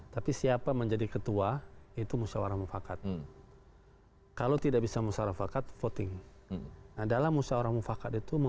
terima kasih pak